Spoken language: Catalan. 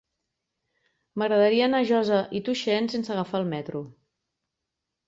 M'agradaria anar a Josa i Tuixén sense agafar el metro.